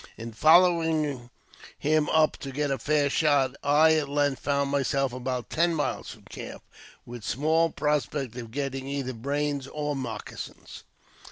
In following him up to get a fair shot, I at length found myself about ten miles from camp, with small prospect of getting either brains or moccasins.